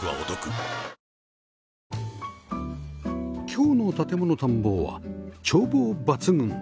今日の『建もの探訪』は眺望抜群！